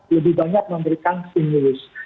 lebih banyak memberikan stimulus